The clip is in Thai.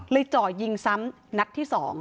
เลยเจาะยิงซ้ำนัดที่สอง